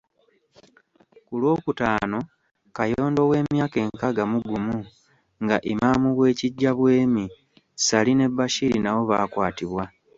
Ku Lwokutaano, Kayondo ow'emyaka enkaaga mu gumu nga Imaam w'e Kijjabwemi, Ssali ne Bashir nabo baakwatibwa.